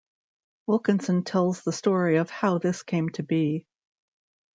Wilkinson tells the story of how this came to be.